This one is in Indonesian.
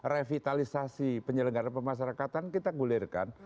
revitalisasi penyelenggara pemasarakatan kita gulirkan